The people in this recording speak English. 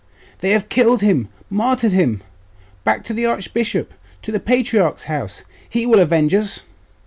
'They have killed him! Martyred him! Back to the archbishop! To the patriarch's house: he will avenge us!